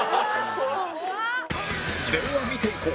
では見ていこう